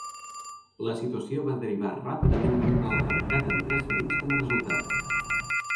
La situació va derivar ràpidament en un altercat amb tres ferits com a resultat.